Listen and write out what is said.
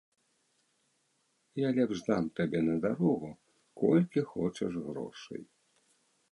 Я лепш дам табе на дарогу колькі хочаш грошай.